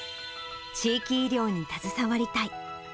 地域医療に携わりたい。